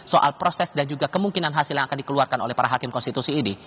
soal proses dan juga kemungkinan hasil yang akan dikeluarkan oleh para hakim konstitusi ini